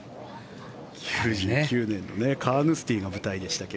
９９年カーヌスティが舞台でしたが。